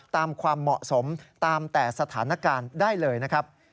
ความเหมาะสมตามแต่สถานการณ์ได้เลยนะครับ